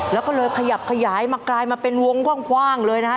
แล้วก็เลยขยับขยายมากลายมาเป็นวงกว้างเลยนะฮะ